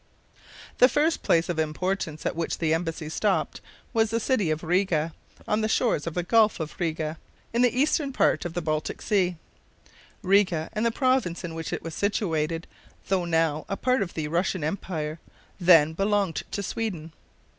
The first place of importance at which the embassy stopped was the city of Riga, on the shores of the Gulf of Riga, in the eastern part of the Baltic Sea. Riga and the province in which it was situated, though now a part of the Russian empire, then belonged to Sweden.